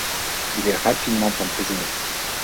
Il est rapidement emprisonné.